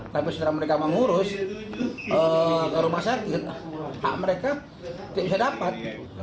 tapi setelah mereka mengurus ke rumah sakit hak mereka tidak bisa dapat